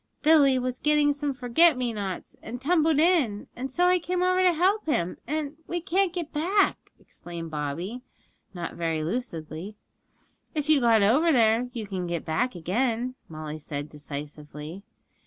'Billy was getting some forget me nots, and tumbled in, and so I came over to help him, and we can't get back,' explained Bobby, not very lucidly. 'If you got over there you can get back again,' Molly said decisively.